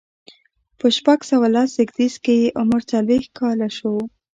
په شپږ سوه لس زيږديز کې یې عمر څلوېښت کاله شو.